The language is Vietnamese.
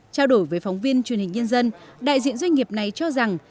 trao đổi với phóng viên truyền hình nhân dân đại diện doanh nghiệp này cho rằng